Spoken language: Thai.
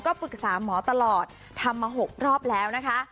ปรึกษาหมอตลอดทำมา๖รอบแล้วนะคะ